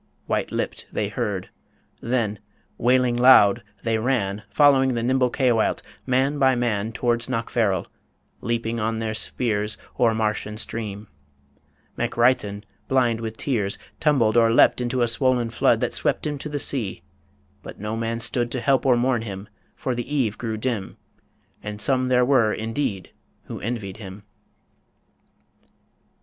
White lipped they heard.... Then, wailing loud, they ran, Following the nimble Caoilte, man by man, Towards Knockfarrel; leaping on their spears O'er marsh and stream. MacReithin, blind with tears, Tumbled or leapt into a swollen flood That swept him to the sea. But no man stood To help or mourn him, for the eve grew dim And some there were, indeed, who envied him.